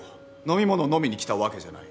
飲み物を飲みに来たわけじゃない。